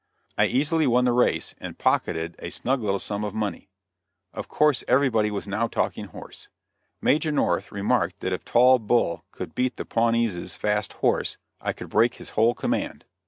I easily won the race, and pocketed a snug little sum of money. Of course everybody was now talking horse. Major North remarked that if Tall Bull could beat the Pawnees' fast horse, I could break his whole command.